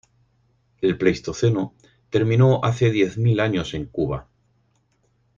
El pleistoceno terminó hace diez mil años en Cuba.